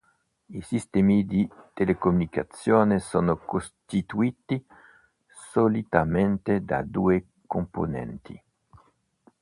I sistemi di telecomunicazione sono costituiti solitamente da due componenti.